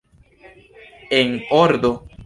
En ordo?